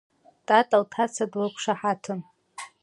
Тата лҭаца длықәшаҳаҭын.